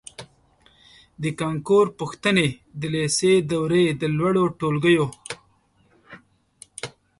د کانکور پوښتنې د لېسې دورې د لوړو ټولګیو